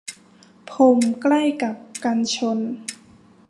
พรมใกล้กับกันชน